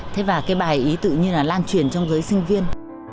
thế và cái bài ý tự như là lan truyền trong giới sinh viên